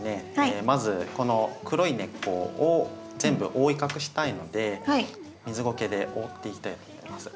まずこの黒い根っこを全部覆い隠したいので水ごけで覆っていきたいと思います。